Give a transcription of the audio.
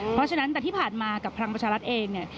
เพราะฉะนั้นแต่ที่ผ่านมากับพลังประชารัฐเองเนี่ย